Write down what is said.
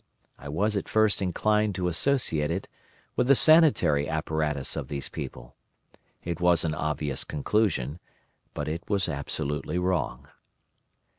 I was at first inclined to associate it with the sanitary apparatus of these people. It was an obvious conclusion, but it was absolutely wrong.